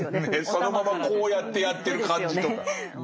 そのままこうやってやってる感じとか。